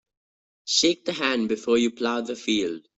Shake the hand before you plough the field.